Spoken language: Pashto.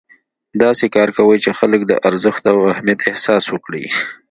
داسې کار کوئ چې خلک د ارزښت او اهمیت احساس وکړي.